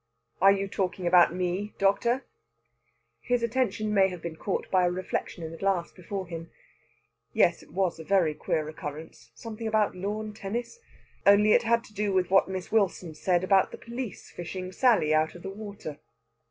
"Are you talking about me, doctor?" His attention may have been caught by a reflection in a glass before him. "Yes, it was a very queer recurrence. Something about lawn tennis. Only it had to do with what Miss Wilson said about the police fishing Sally out of the water."